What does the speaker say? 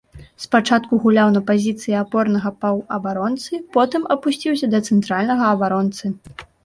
Спачатку гуляў на пазіцыі апорнага паўабаронцы, потым апусціўся да цэнтральнага абаронцы.